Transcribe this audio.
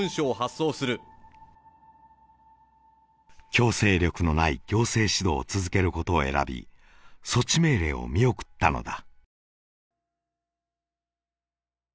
強制力のない行政指導を続けることを選び措置命令を見送ったのだ